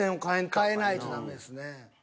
変えないとダメですね。